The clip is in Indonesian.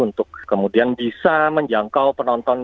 untuk kemudian bisa menjangkau penonton